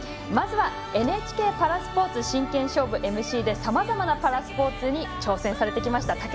まずは、ＮＨＫ「パラスポーツ真剣勝負」でＭＣでさまざまなパラスポーツに挑戦されてきました。